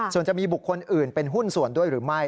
ส่วนจะมีบุคคลอื่นเป็นหุ้นส่วนด้วยหรือไม่